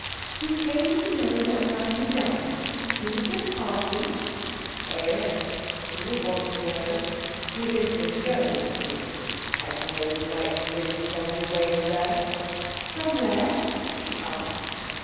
'He came to know what time we dine. He was just passing.' 'Oh, yes. He would want to know. He lives in Jermyn Street. I suppose Knightsbridge is on his way to there.' 'From where?' she asked.